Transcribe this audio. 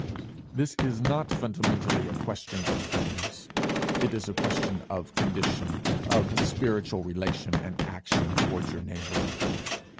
'This is not fundamentally a question of things: it is a question of condition, of spiritual relation and action, towards your neighbour.